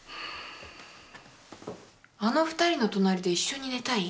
あの２人の隣で一緒に寝たい？